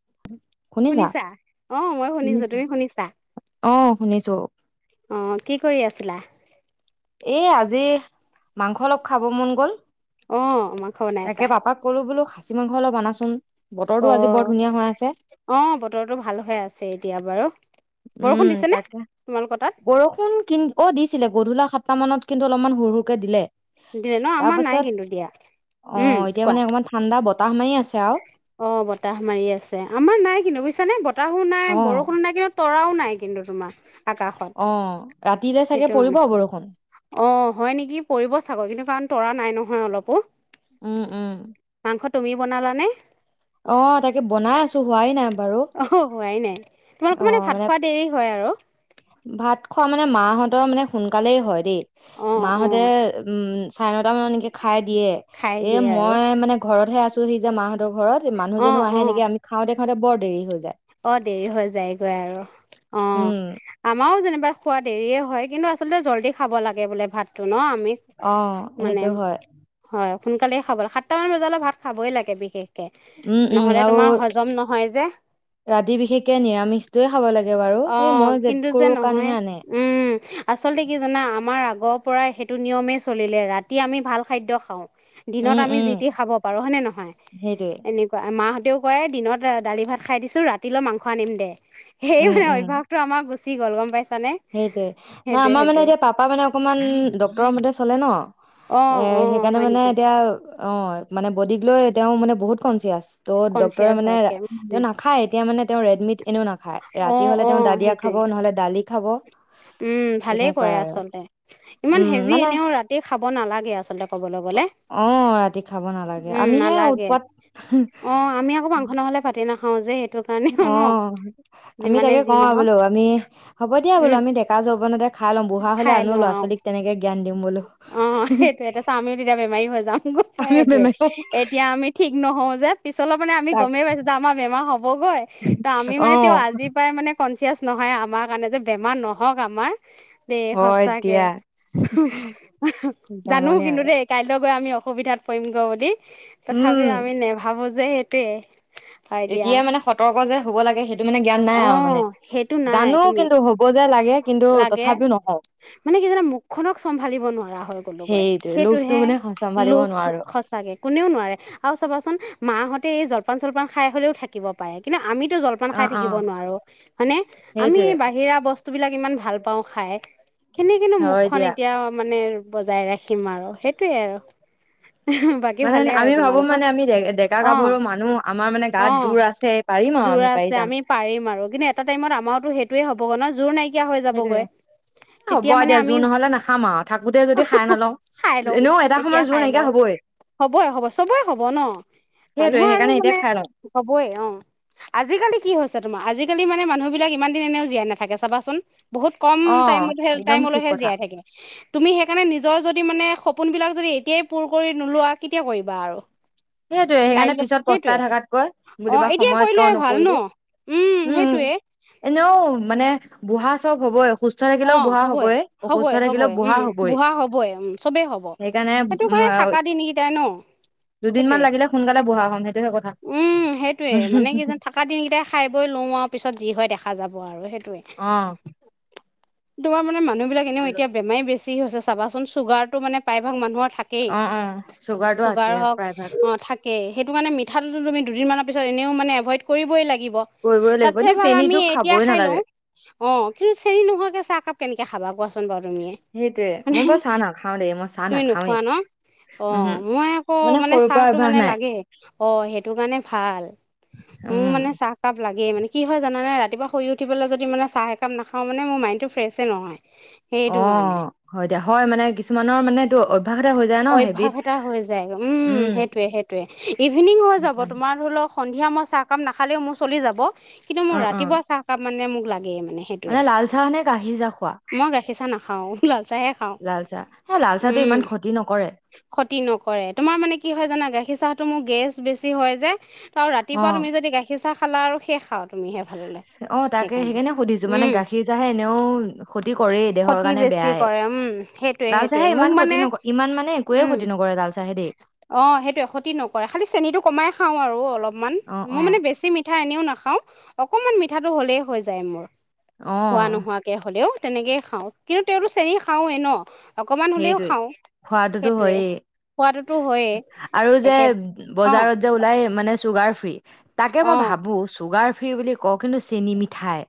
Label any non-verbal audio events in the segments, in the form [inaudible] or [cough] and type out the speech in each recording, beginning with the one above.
উ [unintelligible] শুনিছা অ', মই শুনিছো, তুমি শুনিছা, অ', শুনিছো। অ'। কি কৰি আছিলা এ আজি মাংস অলপ খাব মন গ'ল অঁ মাংস বনাই তাকে আছা? পাপাক ক'লো বোলো খাচি মাংস অলপ অনাচোন অ অ বতৰটো ভালহে আছে এতিয়া বাৰু বৰষুণ উম দিছে নে তাকে তোমালোকৰ তাত? বৰষুণ কিন্ত অ দিছিলে গধূলা সাতটা মানত কিন্তু অলপমান সৰু সুৰকে দিলে দিলে ন তাৰ আমাৰ পাছত নাই কিন্তু দিয়া অ', উম এতিয়া মানে কোৱা অকমান ঠাণ্ডা বতাহ মাৰি আছে আৰু অ বতাহ মাৰি আছে আমাৰ নাই কিনু বুজিছানেহ [unintelligible] বতাহু নাই অ', বৰষুণ নাই কিন্তু তৰাও নাই কিন্তু তোমাৰ আকাশত অ ৰাতি সেইটো মানে অ হয় নেকি পৰিব চাগৈ কিন্তু কাৰণ তৰা নাই নহয় অলপো উম উম মাংস তুমিও বনালা নে অ তাকে বনাই আছো হোৱাই নাই বাৰু। অ হোৱাইনাই তোমালোকৰ মানে ভাত খোৱা দেৰি হয় আৰু ভাত খোৱা মানে মাহঁতৰ মানে সোনকালেই হয় দেই অঁ অঁ মাহঁতে উম চাৰে নটা মানত এনেকে খাই দিয়ে খাই এ দিয়ে আৰু। মই মানে ঘৰতহে আছো সি যা মাহত [unintelligible] ঘৰত অঁ মানুহজনো অঁ আহে নেকী আমি খাওঁ দে সিহঁতে বৰ দেৰি হৈ যায় অ দেৰি হৈ যায়গৈ আৰু অ উম আমাৰও যেনিবা খোৱা দেৰিয়ে হয় কিন্তু আচলতে জল্দি খাব লাগে বোলে ভাতটো ন আমি অ মানে সেইটো হয় হয় সোনকালে খাবল সাতটামান বজালে ভাত খাবই লাগে বিশেষ উম উম নহলে আৰু তোমাৰ হজম নহয় যে ৰাতি বিশেষকে নিৰামিষটোৱে অ কিন্তু যে নহয় কাৰণেহে আনে উম আচলতে কি জানা আমাৰ আগৰ পৰা সেইটো নিয়মেই চলিলে ৰাতি আমি ভাল খাদ্য খাওঁ দিনত উম আমি উম যি তি খাব পাৰো হয়নে নহয় সেইটোৱে এনেকুৱা মাহ তেওঁও কয় দিনত দালি ভাত খাই দিছোঁ ৰাতিলৈ মাংস আনিম দে সেই উম উম অভ্যাস টো আামাৰ গুচি- গ'ল গম পাই- সেইটোৱে নাই আমাৰ মানে এতিয়া পাপা মানে অকমান ডক্তৰৰ মতে চলে ন অ', এ অ', সেইকাৰণে হয় মানে নেকি? এতিয়া অ মানে বডীক লৈ তেওঁ মানে বহুত কনচিয়াচ ত ডক্তৰে কনচিয়াছ মানে হৈ থাকে তেওঁ উম নাখায় এতিয়া মানে তেওঁ ৰেডমিট এনেও নাখায় ৰাতি অ', হলে তেওঁ অ', দালিয়া খাব সেইটোয়ে নহলে দালি খাব উম ভালেই তেনেকুৱাই কৰে আৰু আচলতে ইমান উম হেভি মানে এনেও ৰাতি খাব নালাগে আচলতে কবলৈ গলে অ ৰাতি খাব নালাগে উম আমিহে নালাগে। উৎপাত অ আমি আকৌ মাংস নহ'লে ভাতে না- অ যে কাৰণেও অ ন আমি যিমানে তাকে যি কওঁ আৰু নহওক বোলো আমি হ'ব দিয়া বোলো উম, আমি ডেকা যৌৱনতে খাই লম বুঢ়া হলে খাই আমিও লওঁ ল'ৰা আৰু ছোৱালীক তেনেকে জ্ঞান দিম বুলো অ সেইটোয়ে তাছত আমিও তেতিয়া বেমাৰী হৈ যাম আমিও সেইটোয়ে বেমাৰী হম এতিয়া আমি ঠিক নহ- ও যে পিছলৈ মানে আমি তাক গমেই পাইছো যে আমাৰ বেমাৰ হ'বগৈ ত আমি অ মানে তেওঁ আজি পায় মানে কনচিয়াচ নহয় আমাৰ কাৰণে যে বেমাৰ নহওক আমাৰ দেই হয় সঁচাকে দিয়া জানো জমনি কিন্তু আৰু দেই কাইলৈ গৈ আমি অসুবিধাত পৰিমগৈ বুলি তথাপিও আমি নেভাবো যে হেইটোৱে এতিয়াই মানে সতৰ্ক যে হ'ব লাগে সেইটো মানে জ্ঞান নাই অ আৰু মানে সেইটো নাই জানো তুমি কিন্তু হ'ব যে লাগে কিন্তু লাগে তথাপিও নহওঁ মানে কি জানা মুখখনক চম্ভালিব নোৱাৰা হৈ গলোগৈ সেইটোৱে সেইটো লোভটো হে মানে চম্ভালিব লোভটো নোৱাৰো সঁচাকে কোনেও নোৱাৰে আৰু চাব- চোন মাহঁতে এই জলপান চলপান খাই হলেও থাকিব পাৰে কিন্তু আমিত জলপান অ খাই অ থাকিব নোৱাৰো হয় নে আমি সেইটোৱে বাহিৰা বস্তু বস্তুবলাক ইমান ভাল পাওঁ খাই কেনেকেনো হয় মুখখন দিয়া এতিয়া মানে বজাই ৰাখিম আৰু সেইটোৱে আৰু বাকী মানে ভালেই আৰু আমি ভাবো তোমালোকৰ মানে আমি ডেকা অ গাভৰু মানুহ আমাৰ মানে অ গাত জোৰ আছে পাৰিম আৰু যোৰা পাৰি আছে যাম আমি পাৰিম আৰু কিন্তু এটা টাইমত আমাৰতো সেই তোয়ে হ'বগে ন জোৰ নাই- কিয়া হৈ সেইটোয়ে যাবগৈ হ'ব তেতিয়া মানে এতিয়া আমি জোৰ নহলে নাখাম আৰু থাকোতে হ যদি খাই হ নলওঁ খাই লও এনেও এটা এতিয়া সময়ত জোৰ খাই নাইকিয়া লওঁ হবই হ'বই হ'ব চবেই হ'ব ন সেইটোৱে মানুহৰ আৰু সেইকাৰণে এতিয়া মানে খাই লওঁ হবই অ আজিকালি কি হৈছে তোমাৰ আজি- আজিকালি মান মানুহবিলাক ইমান দিন এনেও জীয়াই‌ নাথাকে চাবাচোন বহুত কম অ টাইম একদম ঠিক টাইমে কথা জীয়াই থাকে তুমি সেইকাৰণে নিজৰ যদি মান সপো পোন বিলাক যদি এতিয়াই পুৰ কৰি নোলোৱা কেতিয়া কৰিবা আৰু সেইটোয়ে সেইকাৰণে কাইলৈ পিছত পস্তাই সেইটোৱে থকাত কৈ বুুলি অ' বা এতিয়াই সময়ত কিয় কৰিলোৱাই ভাল ন নকৰিলো। উম এনেও মানে বুঢা চব হবই সুস্থ অ থাকিলেও বুঢ়া হ'বই অসুস্থ হ'বই থাকিলেও হ'বই বুঢ়া উম হ'বই বুঢ়া হবই উম চবেই হ'ব সেইকাৰণে সেইটো কাৰণে থকা দিনকেইটাই ন দুদিনমান সেইটোৱে লাগিলে সোনকালে বুঢ়া হ'ম সেইটো উম সেইটোয়ে মানে কি যান থকা দিন কেইটাই খাই বৈ লওঁ আৰু পিছত যি হয় দেখা আ যাব আৰু সেইটো আহ তোমাৰ মানে মানুহ বিলাক এনেও এতিয়া বেমাৰ বেছি কি হৈছে চাবাচোন চুগাৰ মানে প্ৰায়ভাগ মানুহৰ থাকেই অ অ চুগাৰটো চুগাৰ আছে হওক প্ৰায় ভাগ অ থাকেই সেইটো কাৰণে মিঠাটো তুমদিনমানৰ পিছত এনেও মানে এভইড কৰিবই লাগিব কৰিবই লাগিব তাতছে কিন্তু ভাল আমি চেনীটো এতিয়া খাবই খাই লও। নালাগে অ কিন্তু চেনি নোহোৱাকে কেনেকে খাবা কোৱাচোন বাৰু? তুমিয়ে সেইটোয়ে মানে মই বা চাহ নাখাও দেই মই চাহ তুমি নোখোৱা নাখাওৱেই ন অ উম হ মই আকৌ মানে সৰুৰ পৰা চাহটো অভ্যাস মানে নাই লাগে অ সেইটো কাৰণে ভাল মোৰ উম মানে চাহকাপ লাগে লাগে মানে কি হয় জানে ৰাতিপুৱা শুই উঠিবলে যদি মানে চাহ একাম নাওঁ মানে মাইনটো ফ্ৰেছে নহয় সেইটো অ কাৰণে হয় দিয়া হয় মানে কিছুমানৰ মানে এইটো অভ্যাসতে হৈ যায় ন অভ্যাস হেবিট এটা হৈ যায় উম সেইটোয়ে সেইটোয়ে ইভিনিং হৈ যাব সেইকাৰণে। তোমাৰ ধৰি লও সন্ধিয়া মই চাহ কাম নাখালেও মোৰ চলি যাব কিন্তু মোৰ অ অ ৰাতিপুৱা চাহকাপ মানে মোক লাগেই মা মানে লালচাহনে গাখীৰ চাহ খোৱা মই গাখীৰ চাহ নাখাওঁ লাল চাহে খাওঁ লালচাহ সে লালচাহটো উম ইমান খতি ক্ষতি নকৰে তোমাৰ মানে কি হয় জানা গাখীৰ চাহটো মোক গেছ বেছি হয় যায় ত অ ৰাতিপুৱা তুমি যদি গাখীৰ পঠা খালা আৰু শেষ খাৱত। অ তাকে সেইকাৰণে সুধিছো। মানে উম গাখীৰ চাহে এনেও ক্ষতি কৰেই দেহৰ ক্ষতি কাৰণে বেছি বেয়াইে। কৰে উম সেইটোয়ে লাল সেইটোয়ে চাহে মোক ইমান ক্ষতি মানে নকৰে ইমান মানে একোৱে উম ক্ষতি নকৰে লাল চাহে দেই অ সেইটো এ ক্ষতি নকৰে। খালি চেনটো কমাই খাও আৰু অলপমান, অ মোৰ অ মানে বেছি মিঠাই এনেও নাখাওঁ। খাওঁ অকমান মিঠাটো হ'লেই হৈ যায় মোৰ। অ হোৱা নোহোৱাকে হলেও। তেনেকেই খাওঁ, কিন্তু তেওঁতো চেনি খাওৱে ন। অকমান হ'লেও খাওঁ। খোৱাতোতো সেইটোৱে হয়েই খোৱাটোতো হয়েই আৰু যে একে অ বজাৰত যে ওলাই মানে। ছুগাৰ ফ্ৰী তাকে মই অ ভাবো চুগাৰ ফ্ৰী বুলি কওঁ কিন্তু চেনি মিঠাই।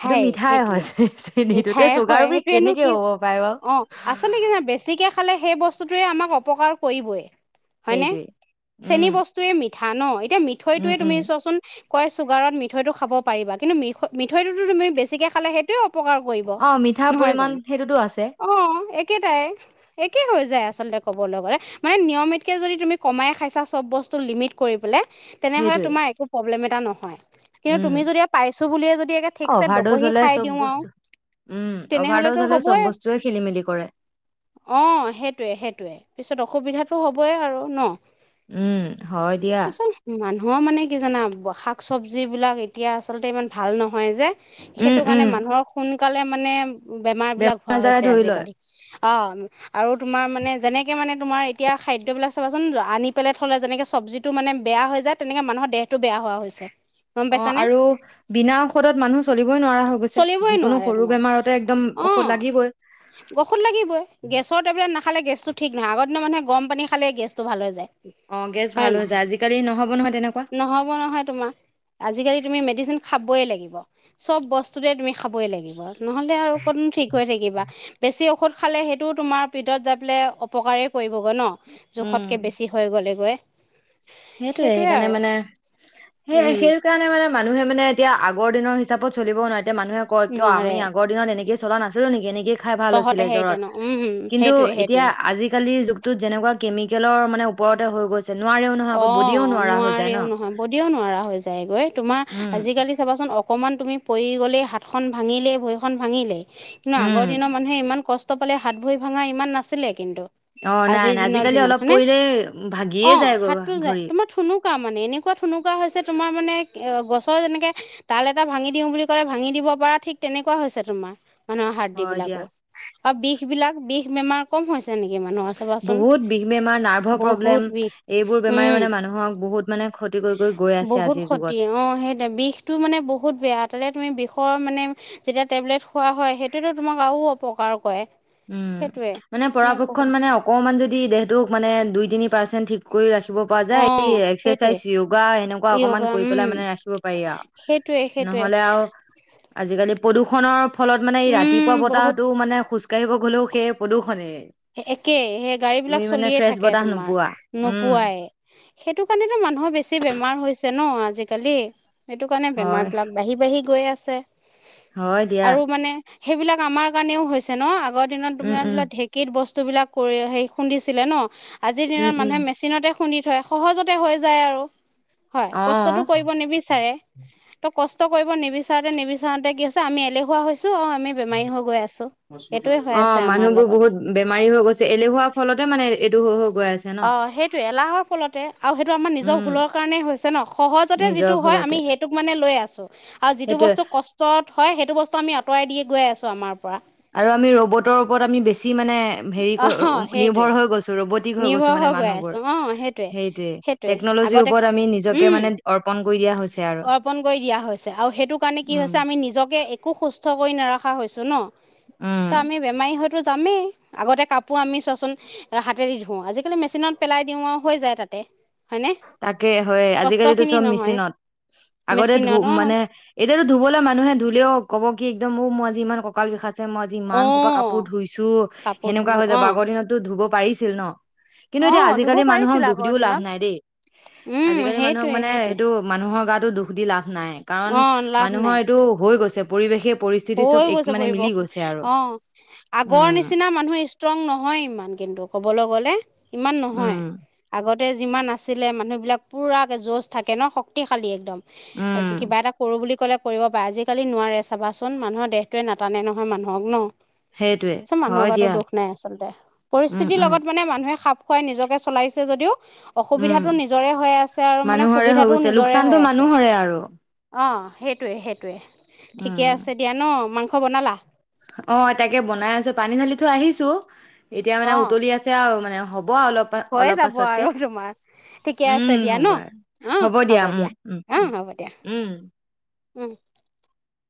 সেইটো মিঠাই হয় চেনী ততে মিঠাই চুগাৰ হয় ফ্ৰি সেইটোৱেনো কেনেকে কি হ'ব পাৰে বাও? অ আচলতে কি জানা বেছিকে খালে সেই বস্তুতোৱে আমাক অপকাৰ কৰিবই। হয় নে? সেইটোৱে চেনী উম বস্তুৱে মিঠ থানৈ এতিয়া উম মিঠৈটোয়ে তুমি উম চোৱাচোন কয় চুগাৰত মিঠৈ টো খাব পাৰিবা কিন্তু মি মিঠৈটোতো তুমি বেছিকে খালে সেইটোৱে উপকাৰ কৰিব অ মিঠাৰ নহয় পৰিমাণ জানো? সেইটোতো আছে অ একেটাই, একে হৈ যায় আচলতে ক'বলৈ গ'লে। মানে নিয়মিতকে যদি তুমি কমাই খাইছা চব বস্তু লিমিট কৰি পেলাই তেনেহলে সেইটোৱে তোমাৰ একো প্ৰব্লেম এটা নহয়। কিন্তু উম তুমি যদি‌ আৰু পাইছ বুলিয়ে যদি একে ঠিকছে অভাৰ ড'জ দকহি হ'লে খাই চব দিওঁ আও, বস্তু উম অভাৰ ড'জ তেনেহলেতো হ'লে চব হবই বস্তুৱে খেলি মেলি কৰে অ সেইটোৱে সেইটোৱে। সুবিধাটো হ'বই আৰু ন? উম হয় দিয়া। আচল মানুহৰ মানে কি জানা, শাক চব্জিবিলাক এতিয়া আচলতে ইমান ভাল নহয় যে। উম সেইটো কাৰণে উম মানুহৰ শুন সোনকালে মানে বেমাৰ বিলাক হোৱা আজাৰে হৈছে ধৰি লয় আজিকালি। অ আৰু তোমাৰ মানে যেনেকে মানে তোমাৰ এতিয়া খাদ্যবিলাক চাবাচোন আনি পেলাই থলে যেনেকে চব্জটো মানে বেয়া হৈ যায়, তেনেকে মানুহৰ দেহটো বেয়া হোৱা হৈছে। গম অ পাইছানে আৰু বিনা ঔষধত মানুহ চলিবই নোৱাৰা হৈ গৈছে চলিবই যিকোনো নোৱাৰে সৰু তোমাৰ বেমাৰতে একদম অ ঔষধ লাগিবই খালে গেছটো ঠিক নহয় আগৰ দিনৰ মানুহে গৰম পানী খালেই গেছ [unintelligible] ভাল হৈ যায় অ গেছ হয় ভাল ন হৈ যায় আজিকালি নহ'ব নহয় তেনেকুৱা নহব নহয় তোমাৰ [unintelligible] তুমিটো মেডচিন খাবই লাগিব চব বস্তুতে তুমি খাবই লাগিব নহ'লে আৰু কতণো ঠিক হৈ থাকিবা বেছি ঔষধ খালে সেইটোও তোমাৰ ভিতত যাই পেলাই অপকাৰেই কৰিব [unintelligible] গৈ, গৈ, ন, উম জোখতকে বেছি হৈ গ'লেগৈ। সেইটোয়ে সেইটোৱে সেইকাৰণে আৰু মানে সেই উম সেইটো কাৰণে মানে ম মানুহে মানে এতিয়া আগৰ দিনৰ হিচাপত চলিব নোৱাৰে। এতি মানুহে কিয় নোৱাৰে আমিগৰ দিনত এনেকেই চলা নাছিল নকে নকি [unintelligible] খাই ভাল হৈছিলে তহঁতেহে এতিয়া জ্বৰত ন উম কিন্তু সেইটোৱে এতিয়া সেইটোৱে আজিকালিৰ যুগটোত যেনেকুৱা কেমিকেলৰ মানে ওপৰতে হৈ গৈছে নোৱাৰে। অ, নোৱাৰেও নহয়। বদিও নোৱাৰা হৈ যায়গৈ। তোমাৰ উম আজিকালি চাবাচোন অক অকণমান তুমি পৰি গ'লেই হাতখন ভাঙিলেই ভৰিখন ভাঙিলে কিন্তু উম আগৰ দিনৰ মানুহে ইমান কষ্ট ষ্ট পালে হাত ভৰি ভাঙা ইমান নাছিলে কিন্তু অ নাই আজিৰ নাই দিনত আজিকালি যিমান অলপ হয়নে পৰিলে ভাগিয়ে অ যায় গ হাতটো তোমাৰ থুনুকা মানে এনেকোৱা থুনুকা হৈছে তোমাৰ মানে গছৰ যেনেকে তাল এটা ভাঙি দিও বুলি কলে ভাঙি দিব পাৰা ঠিক তেনেকুৱা হৈছে তোমাৰ মানুহৰ হাৰ্ডি হয় দিয়া বিলাকো। অ, বিষ বিলাক বিষ। বেমাৰ কম হৈছে নেকি মানুহৰ চাবাচোন বহুত বিষ বেমাৰ নাৰ্ভৰ প্ৰব্লেম বহুত বিষ এইবোৰ বেমাৰে উম মানে মানুহক বহুত মানে ক্ষতি কৰি কৰি গৈ আছে বহুত আজিৰ যুগত ক্ষতি অ সেইটো বিষটো মানে বহুত বেয়া তালতে তুমি বিষ ষৰ মানে যেতিয়া টেবলেট খোৱা হয় সেইটোতো তোমাক আৰু অপকাৰ কৰে [unintelligible] উম সেইটোৱে মানে পৰাপক্ষত বহুত মানে অকমান যদি দেহটোক মানে দুই তিনি পাৰ্চেন ঠিক কৰি ৰাখি। ৰাখিব পৰা অ যায়। এইয়ে সেইটোৱে এক্সেচাইজ য়গা এনেকুৱা অকপমান য়োগা কৰি পেলাই উম মানে ৰাখিব পাৰি আৰ, সেইটোৱে সেইটোৱে নহলে আৰু আজিকালি পদু খনৰ ফলত মানে উম ৰাতিপুৱা বহুত বতাহটো মানে খোজ কাঢ়ি ভিক্ষাৰী সকলেও সেই পদূষণে। এ-একে সেই গাড়ী বিলাক চলিয়ে ফ্ৰেছ থাকে বতাহ নোপোৱা তোমাৰ উম নোপোৱাই সেইটো কাৰণেতো মানুহৰ বেছি বেমাৰ হৈছ ছে ন আজিকালি [inaudible] সেইটো কাৰণে হয় বেমাৰ বিলাক বাঢ়ি বাঢ়ি গৈছে চেচ হয় দিয়া সেইবিলাক আমাৰ কাৰণেও হৈছে ন আগ দিনত উম তোমাৰ উম বস্তু বিলাক কৰি হে খুন্দিছিলে ন আজিৰ দিনত উম উম মানুহে মেচিনতে- খুন্দি থয় সহজতে হৈ যায় আৰু। হয় অ কষ্টতটো কৰিব নিবিচাৰে ত কৰিব নিবিচাৰোতে নিবিচাৰোতে কি আছে আমি এলেহুৱা হৈছে ট, আমি বেমাৰী হৈ গৈ আছো সেইটোয়ে হৈ অ আছে আমাৰ মানুহবোৰ লগত। বহুত বেমাৰী হৈ গৈছে এলেহুৱা ফলতে মানে এইটো হৈ হৈ গৈ আছে ন অ সেইটো এলাহৰ ফলতে আৰু সেইটো আমাৰ নিজৰ উম ভুলৰ কাৰণে হৈছে ন সহজতে নিজৰ যিটো হয় ফলতে আমি সেইটোক মানে লৈ আছো আৰু যিটো সেইটোয়ে বস্তু কষ্টত হয় সেইটো বস্তু আমি আঁতৰাই দিয়ে। গৈ আছো আমাৰ পৰা আৰু আমি ৰ'বটৰ ওপৰত আমি বেছি মানে হেৰি অ সেইটোৱে নিৰ্ভৰ হৈ গৈছো ৰ'ব নিৰ্ভৰ হৈ গৈ আছো অ সেইটয়ে সেইটোয়ে টেকনলজিৰ আগতে ওপৰত আমি নিজকে উম মানে অৰ্পন কৰি দিয়া হৈছে আৰু অৰ্পন কৰি দিয়া হৈছে আৰু সেইটো কাৰণে কি উম হৈছে আমি নিজকে একো সুস্থ কষ্ট কৰি নাৰাখা হৈছোঁ ন উম তা আমি বেমাৰী হ জামে আগতে কাপোৰ আমি চোৱাচোন হাতেৰে হাতে দি ধো আজিকালি মেচিনত পেলাই দিওঁ আৰু হৈ যায় তাতে হয়নে তাকে হয় কষ্ট আজিকালিতো খিনি চব নহয় মেচিনত আগতে ধূ মেচিনত অ মানে এতিয়াতো ধুবলৈ মানুহে ধুলেও ক'ব কি একদম মোক মই আজি ই কঁকাল বিষাইছে মই যি অ ইমান সোপা কাপোৰ ধুইছো কাপোৰ সেনেুকোৱা ধুলো হয় অ আগৰ দিনতো ধুব পাৰিছিল ন কিন্তু অ এতিয়া ধুব আজিকালি মানুহক পাৰিছিল দুখ আগৰ দিও লাভ দিনত নাই দেই উম আজিকালি মানুহক সেইটোৱে মানে সেইটোৱে সেইটো মানুহৰ গাতো দুখ দি লাভ নাই কাৰণ অ লাভ মানুহৰ নাই এইটো হৈ গৈছে পৰিৱেশেই হৈ গৈছে পৰিব অ আগৰ উম নিচিনা মানুহ ষ্ট্ৰং নহয় ইমান কিন্তু কবলৈ গ'লে ইমান নহয়। উম আগত। যিমান আছিলে মানুহবিলাক পুৰাকে যজ থাকে ন শক্তিশালী একদম উম কিবা এটা কৰো বুলি ক'লে, কৰিব পাৰে আজিকালি নোৱাৰে চাবা। চোন মানুহৰ দেহটোৱে নাটানে নহয় মানুহক ন। সেইটোৱে মানুহৰ হয় কাৰতো দিয়া দুখ নাই আচলতে উম পৰিস্থিতিৰ উম লগত মানে মানুহে খাপ- খুৱাই নিজকে চলাইছে। যদিও উম অসুবিধাতটো নিজৰে হৈ আছে আৰু মানে মানুহৰে হৈ সুবিধাটোও গৈছে নিজৰে লোকচানটো হৈ আছে। মানুহৰে আৰু অ, সেইটোৱে সেইটোৱে ঠিকে উম আছে দিয়া ন মাং হ'ব নালা অ তাকে বনাই আছো পানী ঢালি থৈ আহিছো। এতিয়া মানে অ উতলি আছে আৰু মানে হ'ব অলপ হৈয়ে অলপ যাব পাছতকে আৰু তোমাৰ ঠিকে উম আছে দিয়া হ'ব ন আৰু অ হ'ব দিয়া। উম, উম, অ উম, হ'ব দিয়া উম। উম